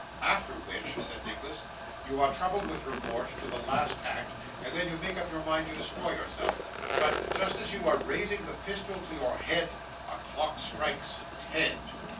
'After which,' said Nicholas, 'you are troubled with remorse till the last act, and then you make up your mind to destroy yourself. But, just as you are raising the pistol to your head, a clock strikes ten.